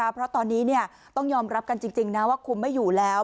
เพราะตอนนี้ต้องยอมรับกันจริงนะว่าคุมไม่อยู่แล้ว